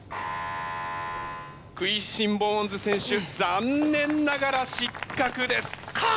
クイーシン・ボーンズ選手残念ながら失格です。か！